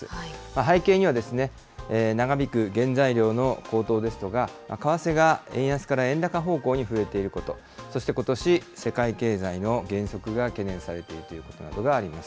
背景には長引く原材料の高騰ですとか、為替が円安から円高方向に振れていること、そしてことし、世界経済の減速が懸念されているということなどがあります。